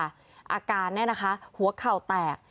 อาการเนี่ยนะคะหัวเข่าแตก